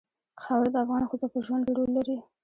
خاوره د افغان ښځو په ژوند کې رول لري.